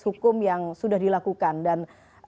hukum yang sudah dilakukan dan